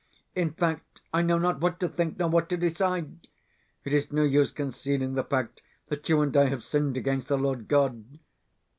In fact, I know not what to think, nor what to decide. It is no use concealing the fact that you and I have sinned against the Lord God....